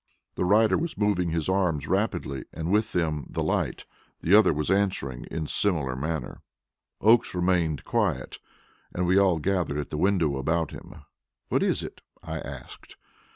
The rider was moving his arms rapidly, and with them the light. The other was answering in a similar manner. Oakes remained quiet, and we all gathered at the window about him. "What is it?" I asked.